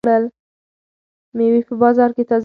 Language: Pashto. مېوې په بازار کې تازه دي.